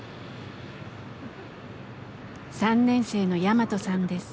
３年生のヤマトさんです。